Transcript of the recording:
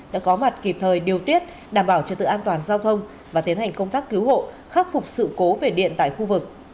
đã có mặt kịp thời điều tiết đảm bảo trật tự an toàn giao thông và tiến hành công tác cứu hộ khắc phục sự cố về điện tại khu vực